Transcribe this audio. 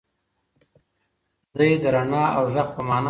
دی د رڼا او غږ په مانا پوه شو.